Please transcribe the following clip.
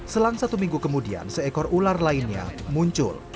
selang satu minggu kemudian seekor ular lainnya muncul